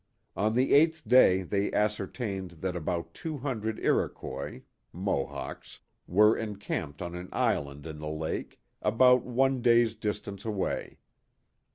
On the eighth day they ascertained that about two hundred Iroquois (Mohawks) were encamped on an island in the lake, about one day's distance away.